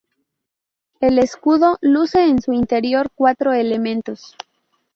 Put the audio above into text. El escudo luce en su interior cuatro elementos.